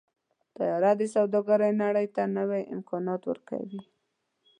طیاره د سوداګرۍ نړۍ ته نوي امکانات ورکوي.